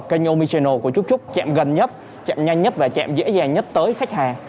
kênh omisional của trúc trúc chẹm gần nhất chẹm nhanh nhất và chẹm dễ dàng nhất tới khách hàng